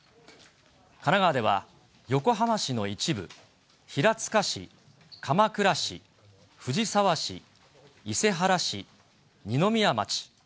神奈川では横浜市の一部、平塚市、鎌倉市、藤沢市、伊勢原市、二宮町。